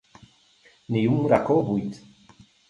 Ni un racó buit.